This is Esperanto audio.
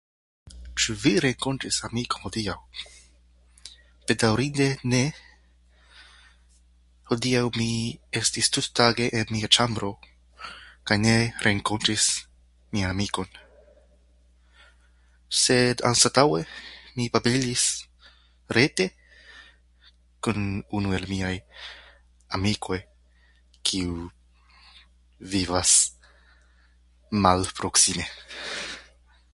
Ĉu vi renkontis vian amikon hodiaŭ? Bedaŭrinde, ne. Hodiaŭ mi estis tuttage en mia ĉambro, kaj ne renkontis mian amikon. Sed anstataŭe mi babilis rete kun unu el miaj amikoj kiu vivas malproksime.